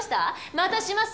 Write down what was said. またします？